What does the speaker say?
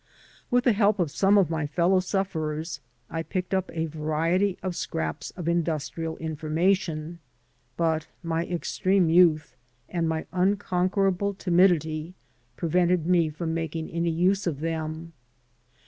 With the help of some of my fellow sufferers I picked up a variety of scraps of industrial information; but my extreme youth and my imconquerable timidity 113 AN AMERICAN IN THE MAKING prevented me from making any use of them.